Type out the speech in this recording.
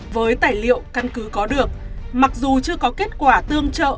với tài liệu căn cứ có được mặc dù chưa có kết quả tương trợ